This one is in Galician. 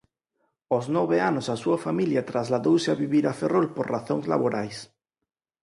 Aos nove anos a súa familia trasladouse a vivir a Ferrol por razóns laborais.